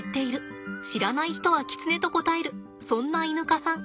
知らない人はキツネと答えるそんなイヌ科さん